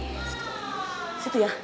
di situ ya